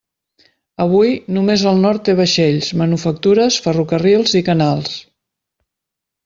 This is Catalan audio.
Avui, només el Nord té vaixells, manufactures, ferrocarrils i canals.